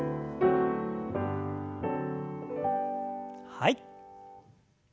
はい。